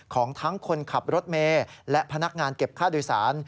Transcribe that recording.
ของทั้งคนขับรถเมย์และพนักงานเก็บค่าโดยสาร